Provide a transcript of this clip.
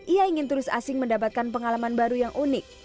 ia ingin turis asing mendapatkan pengalaman baru yang unik